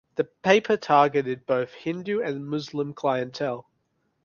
The paper targeted both Hindu and Muslim clientele.